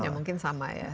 ya mungkin sama ya